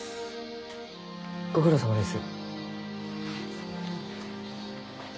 ご苦労さまです。